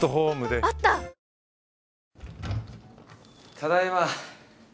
ただいま。